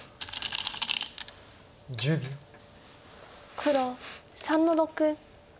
黒３の六。